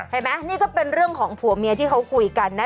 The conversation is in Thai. เห็นไหมนี่ก็เป็นเรื่องของผัวเมียที่เขาคุยกันนะ